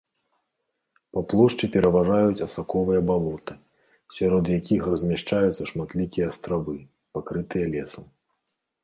Па плошчы пераважаюць асаковыя балоты, сярод якіх размяшчаюцца шматлікія астравы, пакрытыя лесам.